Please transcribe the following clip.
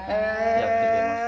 やってみますか。